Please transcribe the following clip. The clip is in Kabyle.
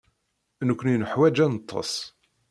Nekkni neḥwaj ad neṭṭes.